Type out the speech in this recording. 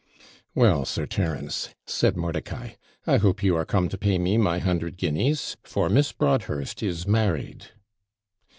'Well, Sir Terence,' said Mordicai, 'I hope you are come to pay me my hundred guineas; for Miss Broadhurst is married!'